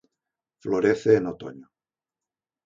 Florece en otoño.